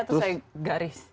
terus saya garis